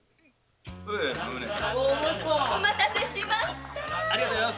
お待たせしましたあ！